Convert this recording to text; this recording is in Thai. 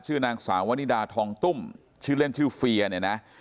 นางสาววนิดาทองตุ้มชื่อเล่นชื่อเฟียร์เนี่ยนะ